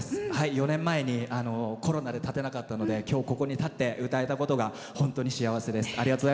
４年前にコロナで立てなかったので今日ここで立って歌えたことが本当に幸せです。